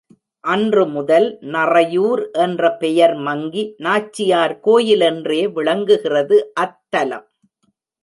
அன்று முதல் நறையூர் என்ற பெயர் மங்கி நாச்சியார் கோயில் என்றே விளங்குகிறது அத்தலம்.